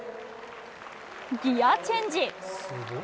ギアチェンジ。